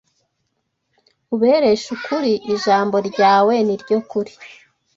Ubereshe ukuri: ijambo ryawe ni ryo kuri